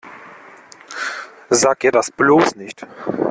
Sag ihr das bloß nicht!